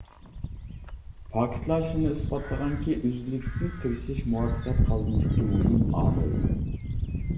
پاكىتلار شۇنى ئىسپاتلىغانكى، ئۈزلۈكسىز تىرىشىش مۇۋەپپەقىيەت قازىنىشتىكى مۇھىم ئامىل.